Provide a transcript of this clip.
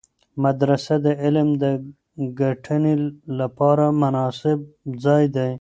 مدرسه د علم د ګټنې لپاره مناسب ځای دی.